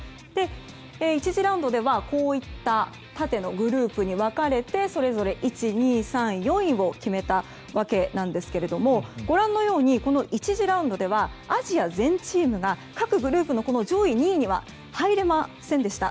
１次ラウンドでは、こういった縦のグループに分かれてそれぞれ１、２、３、４位を決めたわけですがご覧のように１次ラウンドではアジア全チームが各グループの上位２位には入れませんでした。